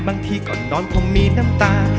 บางทีก่อนนอนคงมีน้ำตา